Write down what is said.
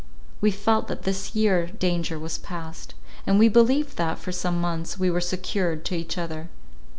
We felt that for this year danger was past; and we believed that, for some months, we were secured to each other.